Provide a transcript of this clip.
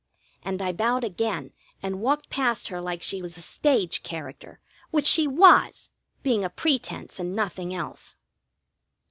And I bowed again and walked past her like she was a stage character, which she was, being a pretence and nothing else.